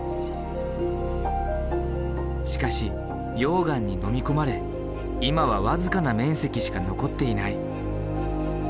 しかし溶岩にのみ込まれ今は僅かな面積しか残っていない。